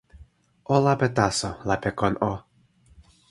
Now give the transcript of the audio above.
o lape taso, lape kon o.